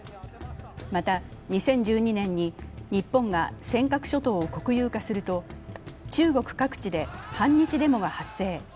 また、２０１２年に日本が尖閣諸島を国有化すると中国各地で反日デモが発生。